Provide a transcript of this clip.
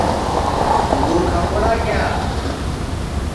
انگُور کھاؤنگڑا کِیا